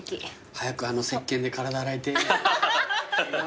早くあのせっけんで体洗いてえ。なあ？